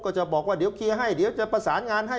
ก็จะบอกว่าเดี๋ยวเคลียร์ให้เดี๋ยวจะประสานงานให้